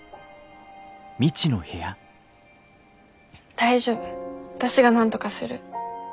大丈夫私がなんとかする。